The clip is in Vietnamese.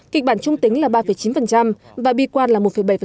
kịch bản trung tính là ba chín và bi quan là một bảy